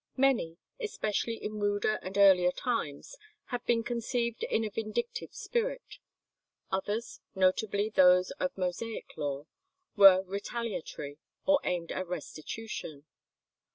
Many, especially in ruder and earlier times, have been conceived in a vindictive spirit; others, notably those of Mosaic law, were retaliatory, or aimed at restitution.